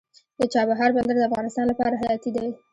د چابهار بندر د افغانستان لپاره حیاتي دی